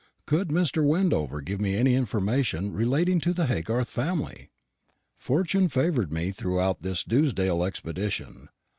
Could Mr. Wendover give me any information relating to the Haygarth family? Fortune favoured me throughout this Dewsdale expedition.